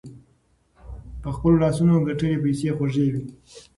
په خپلو لاسونو ګتلي پیسې خوږې وي.